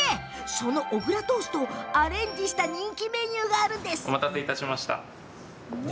その小倉トーストをアレンジした人気メニューがあるんです。